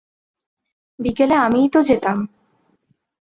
বিকেলে আমিই তো যেতাম।